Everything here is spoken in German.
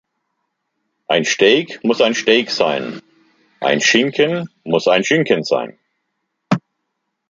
Ein Steak muss ein Steak sein, ein Schinken muss ein Schinken sein.